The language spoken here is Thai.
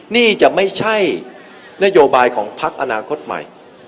นี่จะไม่ใช่นโยบายของพักอนาคตใหม่